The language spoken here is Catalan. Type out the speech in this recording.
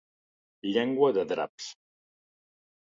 Llengua de draps.